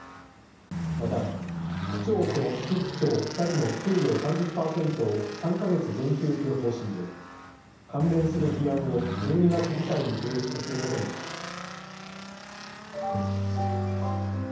また、区長と副区長２人の給料３０％を３か月減給する方針で関連する議案を１２月議会に提出することにしています。